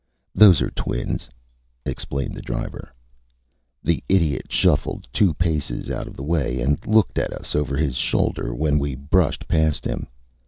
ÂThose are twins,Â explained the driver. The idiot shuffled two paces out of the way and looked at us over his shoulder when we brushed past him.